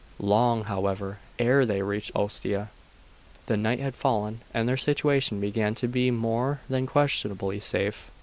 Long, however, ere they reached Ostia, the night had fallen; and their situation began to be more than questionably safe.